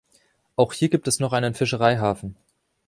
Auch gibt es hier noch einen Fischereihafen.